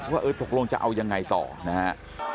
ว่าเออตกลงจะเอายังไงต่อนะฮะ